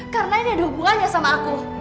karena ini ada hubungannya sama aku